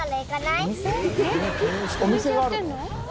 お店があるの？